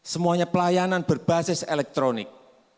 semuanya pelayanan berbasis elektronik